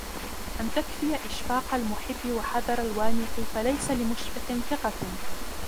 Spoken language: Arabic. أَنْ تَكْفِيَ إشْفَاقَ الْمُحِبِّ وَحَذَرَ الْوَامِقِ فَلَيْسَ لِمُشْفِقٍ ثِقَةٌ